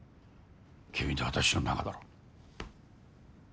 君と私の仲だろう？